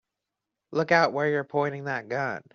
Look out where you're pointing that gun!